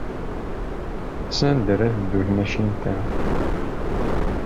Sanda ara teddu tmacint-a?